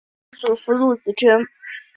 曾祖父陆子真。